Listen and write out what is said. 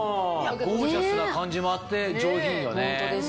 ゴージャスな感じもあって上品よね。